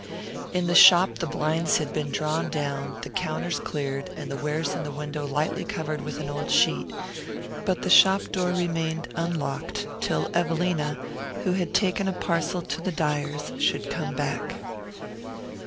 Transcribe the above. In the shop the blinds had been drawn down, the counters cleared and the wares in the window lightly covered with an old sheet; but the shop door remained unlocked till Evelina, who had taken a parcel to the dyer's, should come back.